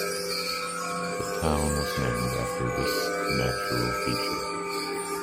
The town was named after this natural feature.